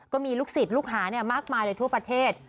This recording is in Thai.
ก็มีลูกศิษย์ลูกหามากมายเลยทั่วประเทศ